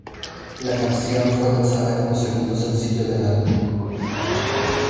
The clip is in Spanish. La canción fue lanzada como segundo sencillo del álbum.